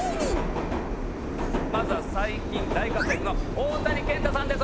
まずは最近大活躍の大谷健太さんです